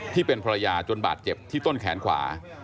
ที่เป็นภรรยาจนบาดเจ็บที่ต้นแขนขวา